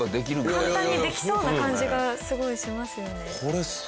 簡単にできそうな感じがすごいしますよね。